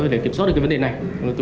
để kiểm soát được cái vấn đề này